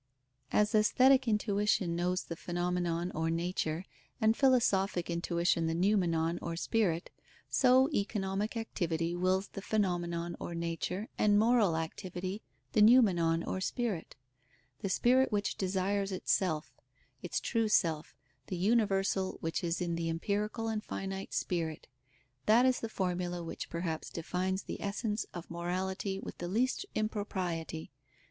_ As aesthetic intuition knows the phenomenon or nature, and philosophic intuition the noumenon or spirit; so economic activity wills the phenomenon or nature, and moral activity the noumenon or spirit. The spirit which desires itself, its true self, the universal which is in the empirical and finite spirit: that is the formula which perhaps defines the essence of morality with the least impropriety.